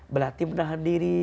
melatih menahan diri